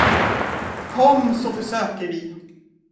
Kom, så försöker vi!